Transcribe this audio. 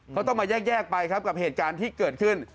เขาต้องมาแยกไปครับกับเหตุการณ์ที่เกิดขึ้น